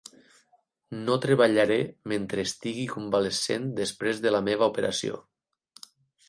No treballaré mentre estigui convalescent després de la meva operació.